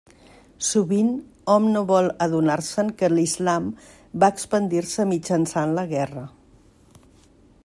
Sovint hom no vol adonar-se'n que l'Islam va expandir-se mitjançant la guerra.